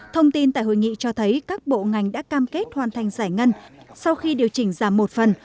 thông tin tại hội nghị cho thấy các bộ ngành đã cam kết hoàn thành giải ngân sau khi điều chỉnh giảm một phần